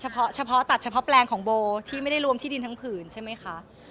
เฉพาะเฉพาะตัดเฉพาะแปลงของโบที่ไม่ได้รวมที่ดินทั้งผืนใช่ไหมคะ